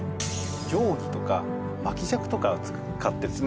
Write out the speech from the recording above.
定規とか巻き尺とかを使ってですね